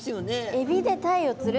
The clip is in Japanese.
「海老で鯛を釣る」。